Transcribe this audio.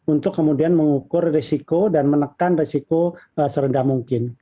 untuk kemudian mengukur resiko dan menekan resiko serendah mungkin